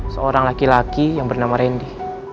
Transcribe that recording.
seorang laki laki yang bernama randy